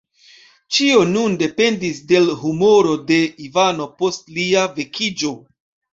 Ĉio nun dependis de l' humoro de Ivano post lia vekiĝo.